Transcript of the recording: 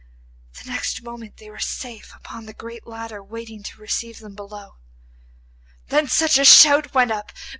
The next moment they were safe upon the great ladder waiting to receive them below. Then such a shout went up!